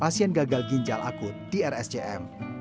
pasien gagal ginjal akut di rscm